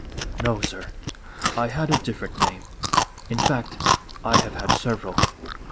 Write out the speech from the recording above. "No, sir; I had a different name. In fact, I have had several.